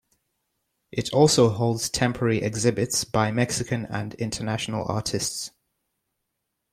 It also holds temporary exhibits by Mexican and international artists.